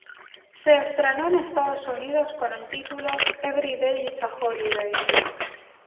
Se estrenó en Estados Unidos con el título "Everyday Is A Holiday".